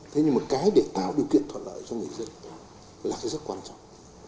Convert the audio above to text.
thế nhưng mà cái để tạo điều kiện thuận lợi cho người dân là cái rất quan trọng